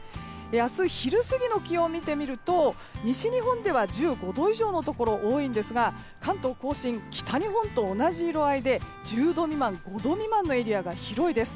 明日、昼過ぎの気温を見てみると西日本では１５度以上のところ多いんですが、関東・甲信北日本と同じ色合いで１０度未満、５度未満のエリアが広いです。